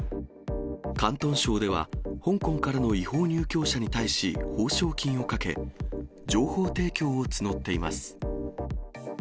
広東省では、香港からの違法入境者に対し、報奨金をかけ、情報提供を募っています。